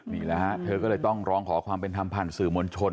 นี่แหละฮะเธอก็เลยต้องร้องขอความเป็นธรรมผ่านสื่อมวลชน